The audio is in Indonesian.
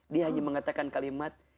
dia hanya mengatakan kalimat